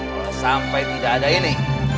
kalau sampai tidak ada ini